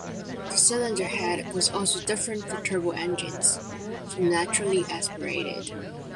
The cylinder head was also different for turbo engines, from naturally aspirated.